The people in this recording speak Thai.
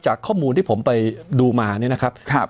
ข้อมูลที่ผมไปดูมาเนี่ยนะครับ